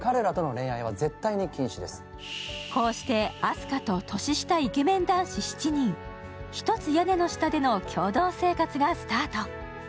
こうしてあす花と年下イケメン男子７人、１つ屋根の下での共同生活がスタート。